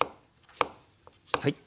はい。